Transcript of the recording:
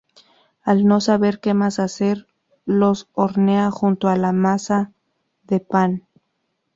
Al no saber que más hacer, los hornea junto a la masa de pan.